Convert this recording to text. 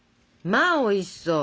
まあおいしそう！